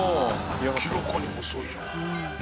明らかに細いじゃん。